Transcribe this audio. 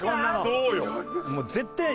そうよ。